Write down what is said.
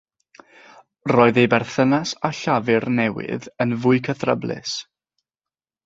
Roedd ei berthynas â Llafur Newydd yn fwy cythryblus.